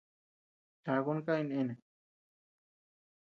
Chakun kay néne.